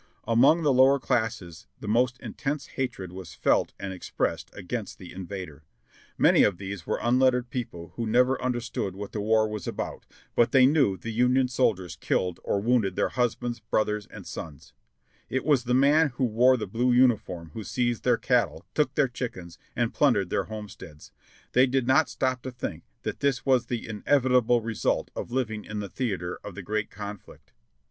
Among the lower classes the most intense hatred was felt and expressed against the invader. Many of these were unlettered people who never understood what the war was about, but they knew the Union soldiers killed or wounded their husbands, broth ers, and sons; it was the man who wore the blue uniform who seized their cattle, took their chickens, and plundered their home steads; they did not stop to think that this was the inevitable result of living in the theater of the great conflict.